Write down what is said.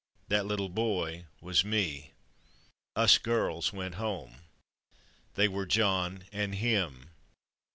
That little boy was /me/. /Us/ girls went home. They were John and /him